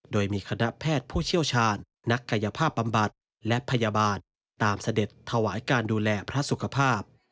โดยมีคณะแพทย์ผู้เชี่ยวชาญนักกายภาพบำบัดและพยาบาลตามเสด็จถวายการดูแลพระสุขภาพ